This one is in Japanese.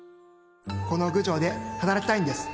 この郡上で働きたいんです！